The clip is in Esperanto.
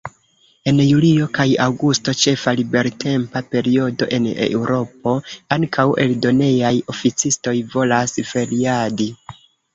En julio kaj aŭgusto, ĉefa libertempa periodo en Eŭropo, ankaŭ eldonejaj oficistoj volas feriadi.